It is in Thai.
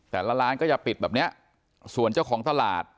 แต่ละร้านก็จะปิดแบบเนี้ยส่วนเจ้าของตลาด